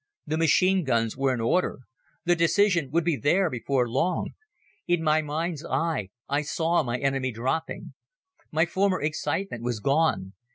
The machine guns were in order. The decision would be there before long. In my mind's eye I saw my enemy dropping. My former excitement was gone.